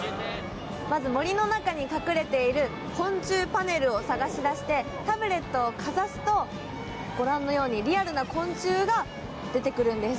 まず森の中に隠れている昆虫パネルを探し出してタブレットをかざすとご覧のようにリアルな昆虫が出てくるんです。